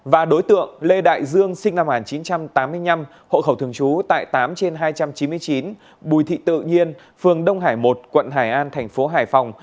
và đối tượng lê đại dương sinh năm một nghìn chín trăm tám mươi năm hộ khẩu thường trú tại tám trên hai trăm chín mươi chín bùi thị tự nhiên phường đông hải một quận hải an thành phố hải phòng